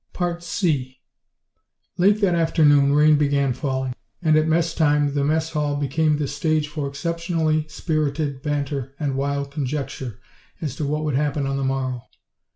3 Late that afternoon rain began falling, and at mess time the mess hall became the stage for exceptionally spirited banter and wild conjecture as to what would happen on the morrow.